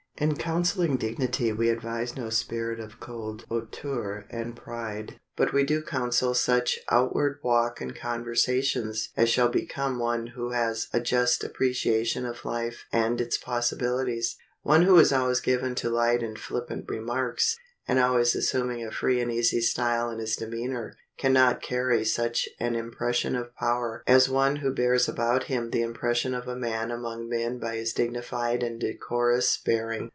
In counseling dignity we advise no spirit of cold hauteur and pride, but we do counsel such outward walk and conversations as shall become one who has a just appreciation of life and its possibilities. One who is always given to light and flippant remarks, and always assuming a free and easy style in his demeanor, can not carry such an impression of power as one who bears about him the impression of a man among men by his dignified and decorous bearing.